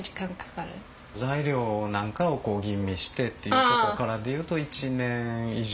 材料なんかを吟味してっていうとこからで言うと１年以上。